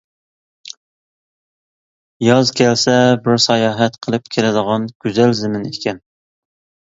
ياز كەلسە بىر ساياھەت قىلىپ كېلىدىغان گۈزەل زېمىن ئىكەن.